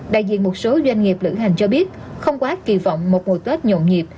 đại diện một số doanh nghiệp lữ hành cho biết không quá kỳ vọng một mùa tết nhộn nhịp